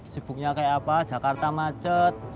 sibuknya kayak apa jakarta macet